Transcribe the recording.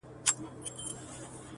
• پر کوترو به سوه جوړه د غم خونه -